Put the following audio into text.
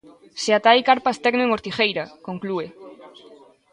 Se ata hai carpas tecno en Ortigueira!, conclúe.